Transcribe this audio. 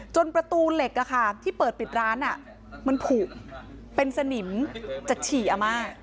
ประตูเหล็กที่เปิดปิดร้านมันผูกเป็นสนิมจากฉี่อาม่า